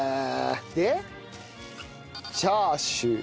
でチャーシュー。